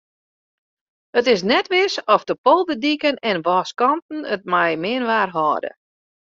It is net wis oft de polderdiken en wâlskanten it mei min waar hâlde.